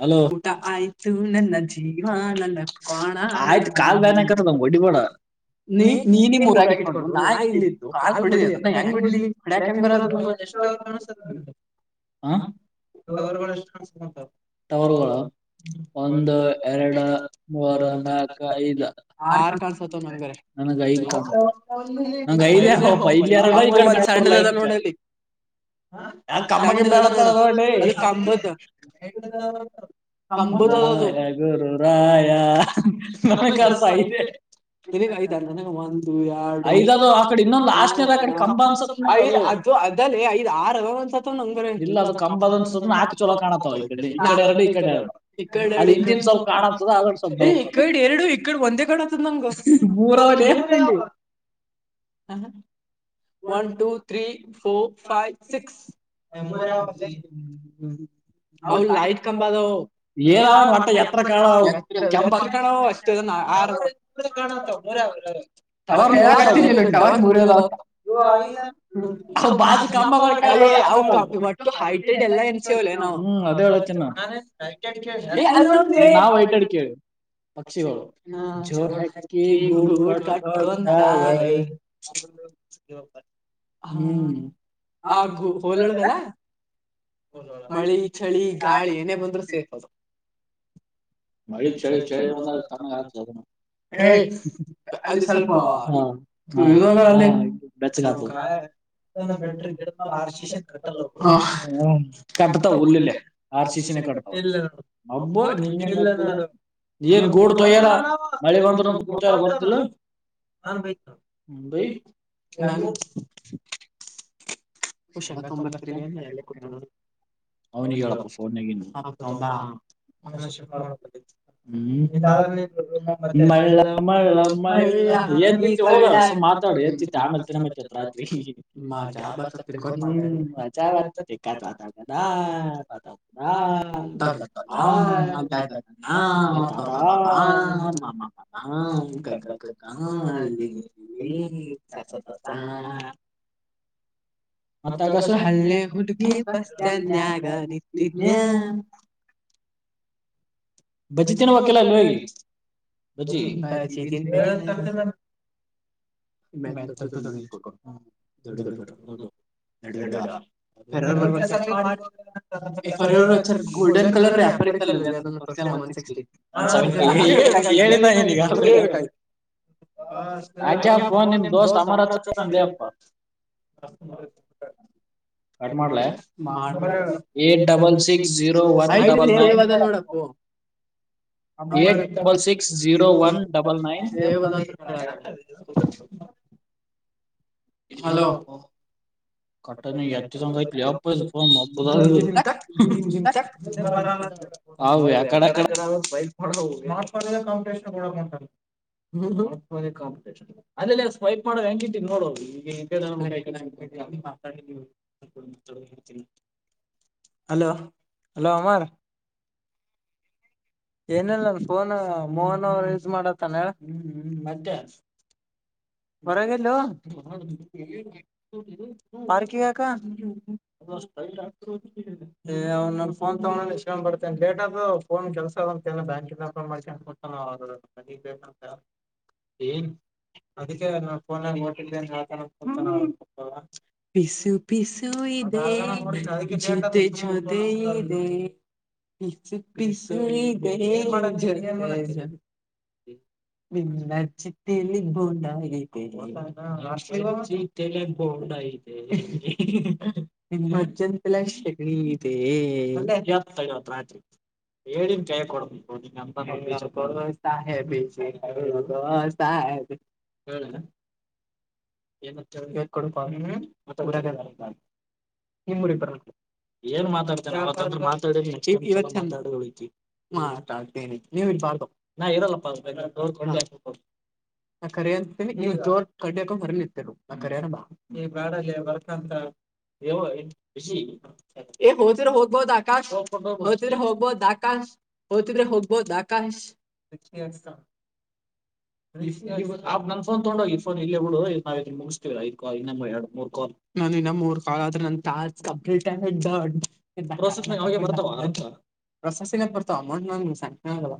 Hello ಆಯ್ತು call ಬ್ಯಾನಿ ಆಗ್ತಾ ನಮ್ ಹೊಡ್ಡಿ ಬೇಡ ನೀ ನೀನ ಮೂರಾಗಿ ಇಟ್ಕೊಂಡು ನಾ ಕಾಲ್ ಬಿಡಲಿ ಅದ್ರ ಹೆಂಗ್ ಬಿಡ್ಲಿ ಹೊಡ್ಯಾಕ ಹೆಂಗ್ ಬರದು ಎಷ್ಟ ಹವರು ಎಷ್ಟ ತವರುಗಳು ಒಂದು ಎರಡು ಮೂರು ನಾಕು ಐದು ಆರು ನಂಗೆ ಕೈಲಿ ಕ ನಂಗ ಕೈದೆ ಹ ಇಲ್ಲಿ ಎರೆಡು ಈ ಕಡೆ ಮೂರು ಲೈನ್ ಕಂಬ ಗಿಂಬ ತೆಗಂಡ್ನೊಡ್ಲೆ ಲೇ ಹೆ ಕಂಬುತ್ದು ನ ಸಹ [unintelligible] ಒಂದು ಎರಡು [unintelligible] ಅದೇ ಲೇ ಐದು [unintelligible] ನಾ ಎಡುಡೆ [unintelligible] ಎರಡು ಇಡೆಡು ಇಡೆ ಎರಡು ಇಡೆ ಒಂದೇ ಮೂರ [unintelligible] one two three four five six ಮೂರ ಯಾವ. ಹೌ ಲೈಟ್ ಕಂಬದಾವ ಏನಾದ್ರೂ [unintelligible] ಎತ್ತರ [unintelligible] [unintelligible] ನಾವ್ ಕೆಳಕ್ಕೆ ಹತಿಲ್ಲ. ಅ [unintelligible] ಒಟ್ಟು ಹೈಟೆಡ್ ಎಲ್ಲ ನಿಲ್ಸೇವೆ ಲೇ ನಾವು. [unintelligible] ಜೋಡಿ ಹಕ್ಕಿ ಗೂಡು ಕಟ್ಕೊಂಡ ತಾವೇ. [unintelligible] ಹಾ ಆಗು ಹೋಲಳದಲ್ಲ. ಮಳಿ ಚಳಿ ಗಾಳಿ ಏನೇ ಬಂದ್ರೂ ಸೇಫ್ ಅದು. ಅಳಿ ಚಳಿ ಚಳಿ ಬಂದಾಗ [unintelligible] ಹ ಅಲ್ಲಿ ಸ್ವಲ್ಪ [unintelligible] [unintelligible] ಉರ್ಲಿಲ್ಲ ಆ ಶಿಕ್ಷಿನ ಕಟ್ಟಬ್ಬ [unintelligible] ಏನ್ ಗೋಡ್ [unintelligible] ಹಾ [unintelligible] ಶೇಂಗ ತೊಂಬರ್ತರಿ ಎನ್ ಅಲ್ಲೆ ಕೂತ. [unintelligible] ಹಿಂಗಾದ್ರೆ ಮಳ್ಳ ಮಳ್ಳ ಮಳ್ಳ [unintelligible] [unintelligible] [unintelligible] ಹಾ ಹಾ ಹ [unintelligible] ಹಾ ಹ. [inaudible] ಹಳ್ಳಿ ಹುಡುಗಿ ಬಸ್ತನ್ಯಾಗ ನಿತಿದ್ನ್ಯ. ಬಜ್ಜಿ ತಿನ್ಬೇಕಲ್ಲ ಅಲ್ ಹೇಗಿ ಬಜ್ಜಿ. [unintelligible] [unintelligible] ಗಡಡ ಗೋಲ್ಡನ್ ಕಲರ್. ಅದನ್ನ ತೋತೇ ಒನ್ ಸಿಕ್ಸ್ಟಿ [unintelligible] [unintelligible] ಅಮ್ಮ ನಿಮ ದೋಸ್ತ್ ಅಮರ ಅಂತ [unintelligible] ಮಾಡ್ ಏ ಡಬಲ್ [unintelligible] ಸಿಕ್ಸ್ರ ಸೇವ್ ಅದೋ [unintelligible] [unintelligible] ಎಟ್ double six zero one [unintelligible] [unintelligible] hello. [unintelligible] [unintelligible] ಹ್ಮ ಕಾಂಪಿಟೇಶನ್. ಅದೆೇಲ್ಲ ಸ್ವೈಪ್ ಮಾಡ ಹೆಂಗ [unintelligible] ನೋಡೋದು ಈ. [unintelligible] Hello hello Amar. ಏನಿಲ್ಲ ಫೋನ್ ಮೋಹನ್ ಅವರು ಯೂಸ್ ಮಾಡತ್ತಾನ ಹೇಳ ಹ್ಮ ಮತ್ತೆ. ಬರಾಗಲ್ಲ ಪಾರ್ಕಿಗಕ ಅದುಾಕ್ ್ ಫೋನ್ ತಗೊಂಡ ಇಷ್ಟ ಬತ ಲೇಟ್ ಆದ ಫೋನ್ ಕೆಲ್ಸ ಅದಂತ ಬ್ಯಾಂ ಮಾಡ್ ಏನ್ ಅದಕ್ಕೆ ನಾ ಫೋನಲ್ಲಿ ಹೋಟಿ ಹತ ನ ಪಿಸು ಪಿಸು ಇದೆ ಜೊತೆ ಜೊತೆ ಇದೆ ಪಿಸಿ ಪಿಸಿುದೆ ಚಿತ್ತಲ್ಲಿ ಇಗ್ಬೊಂಡ ರಾಷ್ಟ್ರ ಇಲ್ಲ ಬೌಡ ಇಐ ನಿಮ್ ಅಜ್ಜನ ತಲೆಗ ಸೆಗಣಿ ಐತೆ ಹೇಳಏಿನ್ ಕೈ ಕೋಡ್ನಿ ನೋಡ್ ಅಮ್ಮ ಮ ಕಸ ಬಜ ಕಸ ಹೇಳ ಏ ಹೇಳ್ಕೊಂಡು ಅವ್ನಿಗೆ ನಿ ಏನ್ ಮಾತಾಡ್ತಾರೆತ ಏನ್ ಮಾತಾವನೆ ಮಾತಾಡು ಮಾತಾಡ್ತೀನಿ ನೀವ ಇನ್ ಪಾ ನಾ ಇರಲ್ಲಪ್ಪ ಕರಿ ಅಂತಿೋ ಕಡಕ ಮರ್ ನಿತರು ಆ ಕರೆ ಈ ಗಾಡಲ್ಲಿ ಬರ್ತಂತವ ಕುಶಿ ಏ ಹೋದ್ರೆ ಹೋಗ್ಬೋದು ಆಕಾಶ ಹೋದ್ರೆ ಹೋಗ್ಬಹದು ಆಕಾಶ್ ಹಓತಿದ್ರೆ ಹೋಗ್ಬೋದು ಆಕಾಶ್ ನನ್ ಫನ್ ತಗೊಂಡೋಗ ಈ ಫೋ ಇಲ್ಲೇ ಉಳು ನಾವ ಮುಗಿಸ್ತೀವ ಕಾಲ್ ಇ ನ ಎರಡು ಮೂರ್ ಕಾಲ್ ನಾನ ಇನ್ನ ಮೂರ್ ಕಾ ಆದ್ರೆ ನನ್ ತಾ ಕಡ್ ಇ ಪ್ರಸೆಸ್ ನ ಯಾವಾಗೇ ಬರ್ತಾವ ಆಯ ಪ್ರಸಸ್ ಸಿಕ್ ಬರ್ತಾವ ಅಮೌಂಟ್ ಸಾಕಾಗಿಲ್ಲ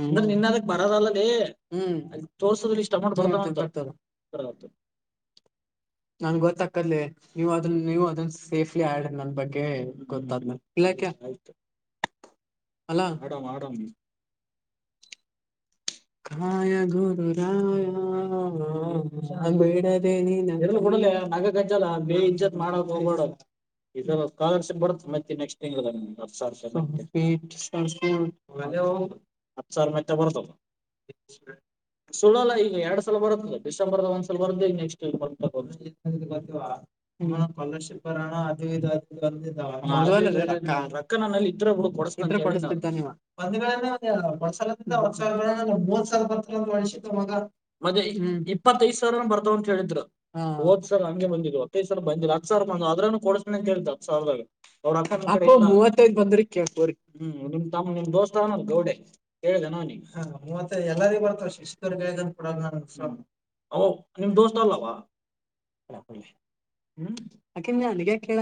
ಅ ನಿನ್ ಅದಕ್ ಬರದ ಅಲ್ಲೆಲ್ಲೇ ಹೂ ಅ ತೋರ್ಸುದ್ರ ಇಷ್ಟ ನಂಗೆ ಹೋಗ್ತಾ ಆಗ್ತಲೇ ನೀವು ಅದನ್ ನೀವು ಅದನ್ ಸೇಫ್ಲಿ ಆ ನನ್ನ ಬಗ್ಗೆ ಗೊ್ಾದ್ಮೇ ಇಲ್ಲಾತ ಅಲಾ ಹಡಾಮ ಹಡಾಮ ಕಖಾಯಾ ಗುರು ರಾಯಾಬೇಡದೆೇ ನೀ ನ ಕೂಡಲ ಮಖಕಾ ಕಂಚಲ್ಲ ಬೇ ಇಂಚತ್ ಮಾಡಕ್ ಹೊೋಗೋಡಕ್ ಇ ಸ್ಕಾಲರ್ಶಿಪ್ ಬರುತ್ತೆ ಮತ್ತೆ ನೆಕ್ಸ್ಟ್ ತಿಂಗ್ ಮನೆವು ಹತ್ತು ಸಾವಿರ ಮತ್ತೇ ಮಚ್ಚ ಬರ್ತವ ಹಾ ಸುಳ್ಳೋಲ್ಲ ಈಗ ಎರಡ್ ಸಲ ಬರುತ್ತಲ್ಲ ಡಿಸೆಂಬರ್ದ ಒಂದ್ಸಲ ಬರ್ದ ಈಗ ನೆಕ್ಸ್ಟ್ ಬರ್ ನಿ ಸ್ಕರ್ಷಿಪ್ರ ಅದು ಇದು ಅ ಪಕ್ಕ ನಾನಲ್ಲಿ ಇದ್ರೆ ಕೊಡ್ಸನಂತೆ ಕೊಡಿಸಿದ ಇದ್ರೆ ಕೊಡಿಸ್ತೀನಿ ಮೂವತ್ ಸಾವರ ಬರ್ ಮ ಮದ್ೆ್ ಇಪ್ಪತ್ತಐದ ಸಾವಿರ ಬರ್ತಾವ ಅಂತ ಹೇಳಿದ್ರು ಹ ಹದ್ ಸರ್ ಹಂಗೆ ಬಂದ್ ಒತ್ತೈ್ ಸರ್ ಬಂದ್ ಅ ಹತ್ ಸಾವಿರ ಬಂದ ಅ್ರನುೂ ಕೊಡ್ಸನ ಅಂತ ಹೇಳ್ದ ಹತ್ ಸಾವರದಾಗ ಅವ್ರ ಅಕ್ಕ ಮೂವತ್ತೈ್ ಬಂದ್ರಿ ಕೇಬವ್ರರಿ ಹೂ ನಿಮ್ ತಮ್ಮ ನಿಮ್ ದೋಸ್ತ ಅನಲ್ ಗೌಡ ಕೇಳ್ದೆ ಏನ್ ಅವ್ನಿಗೆ ಮತ್ತೆ ಎಲ್ಲರಿ ಬರ್ತವ ಶಿಶಕರ್ಗಗಂದ ಕೂಡ ನ ಓ ನಿಮ್ ದೋಸ್ತ ಅಲ್ಲವಾ ಹೂ ಆಕೀದು ನಂಗೆ ಯಾಕ್ ಹೇಳಕಾತಿ